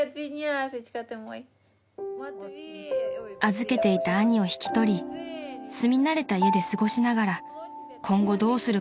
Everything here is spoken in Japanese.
［預けていた兄を引き取り住み慣れた家で過ごしながら今後どうするかを決めることに］